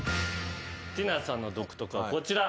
ティナさんの「独特」はこちら。